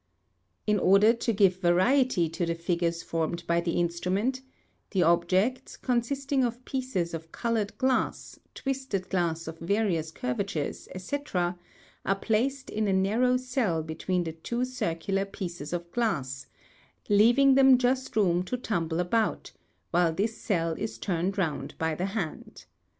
In order to give variety to the figures formed by the instrument, the objects, consisting of pieces of coloured glass, twisted glass 'of various curvatures, &c., are placed in a narrow cell between two circular pieces of glass, leaving them just room to tumble about, while this cell is turned round by the hand.